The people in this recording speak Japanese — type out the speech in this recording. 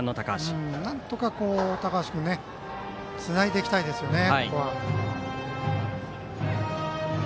なんとかここは高橋君つないでいきたいですよね。